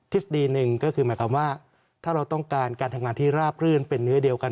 ฤษฎีหนึ่งก็คือหมายความว่าถ้าเราต้องการการทำงานที่ราบรื่นเป็นเนื้อเดียวกัน